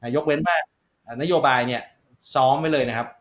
ยกเว้นว่านโยบายเนี่ยซ้อมไว้เลยนะครับ